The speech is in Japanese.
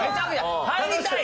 入りたい！